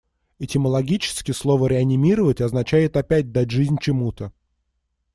Этимологически слово "реанимировать" означает опять дать жизнь чему-то.